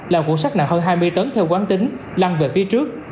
làm cuộn sắt nặng hơn hai mươi tấn theo quán tính lăn về phía trước